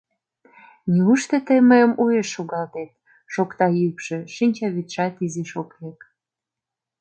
— Неушто тый мыйым уэш шогалтет? — шокта йӱкшӧ, шинчавӱдшат изиш ок лек.